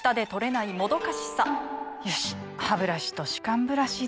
よしハブラシと歯間ブラシでと。